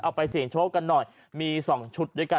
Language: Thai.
ไปเสี่ยงโชคกันหน่อยมี๒ชุดด้วยกัน